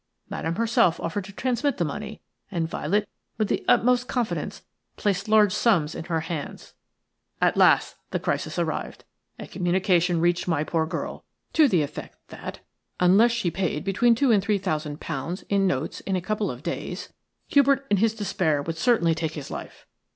Madame herself offered to transmit the money, and Violet, with the utmost confidence, placed large sums in her hands. "At last the crisis arrived. A communication reached my poor girl to the effect that unless she paid between two and three thousand pounds in notes in a couple of days Hubert in his despair would certainly take his life.